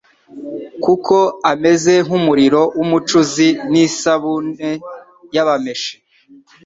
Kuko ameze nk'umuriro w'umucuzi n'isaburue y'abameshi.